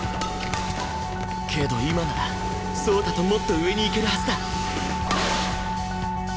けど今なら蒼汰ともっと上にいけるはずだ！